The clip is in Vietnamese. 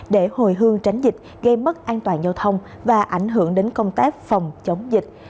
để hồi hương tránh dịch gây mất an toàn giao thông và ảnh hưởng đến công tác phòng chống dịch